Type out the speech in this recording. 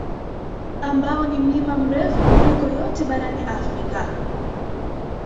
Ambao ni mlima mrefu kuliko yote barani Afrika